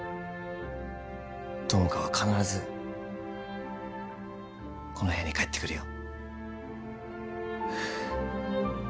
友果は必ずこの部屋に帰ってくるよ